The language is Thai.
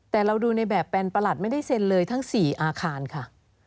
แต่เราดูในแบบแปนประหลัดไม่ได้เซ็นเลยทั้ง๔อาคารค่ะ